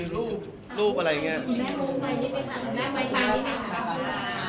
แม่งรูปไว้นิดนึงค่ะแม่งไว้ใส่นิดนึงค่ะ